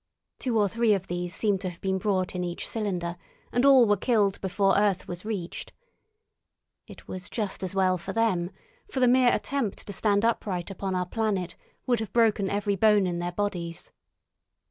Two or three of these seem to have been brought in each cylinder, and all were killed before earth was reached. It was just as well for them, for the mere attempt to stand upright upon our planet would have broken every bone in their bodies.